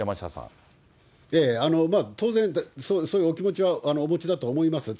当然、そういうお気持ちはお持ちだと思いますよ。